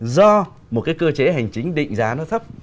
do một cái cơ chế hành chính định giá nó thấp